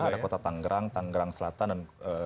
ada kota tanggerang tanggerang selatan dan